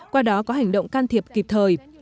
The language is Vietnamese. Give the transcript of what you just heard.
qua đó có hành động can thiệp kịp thời